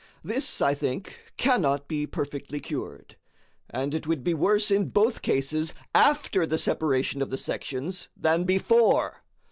This, I think, cannot be perfectly cured; and it would be worse in both cases AFTER the separation of the sections than BEFORE.